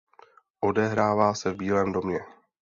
Odehrává se v Bílém domě.